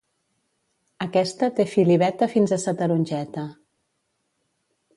Aquesta té fil i veta fins a sa tarongeta.